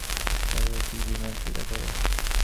Coyote, বিমান সোজা করো।